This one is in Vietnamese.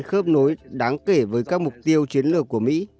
tiếp theo chiến lược của israel khớp nối đáng kể với các mục tiêu chiến lược của mỹ